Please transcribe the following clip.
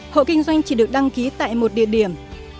hộ kinh doanh chỉ được đăng ký tại một địa điểm